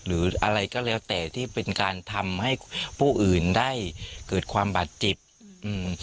หรืออะไรก็แล้วแต่ที่เป็นการทำให้ผู้อื่นได้เกิดความบาดเจ็บอืม